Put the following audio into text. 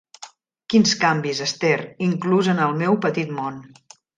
Quins canvis, Esther, inclús en el meu petit món!